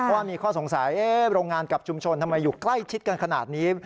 ว่ามีข้อสงสัยโรงงานกับชุมชนทำไมอยู่ใกล้ชิดกันขนาดนี้